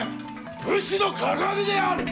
武士の鑑である！